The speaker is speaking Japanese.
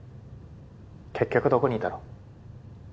結局どこにいたの？